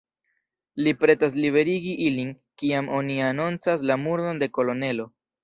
Li pretas liberigi ilin, kiam oni anoncas la murdon de kolonelo.